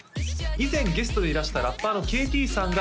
以前ゲストでいらしたラッパーのＫＴさんが＃